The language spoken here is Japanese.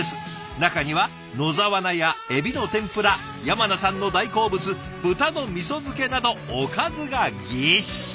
中には野沢菜やエビの天ぷら山名さんの大好物豚のみそ漬けなどおかずがぎっしり！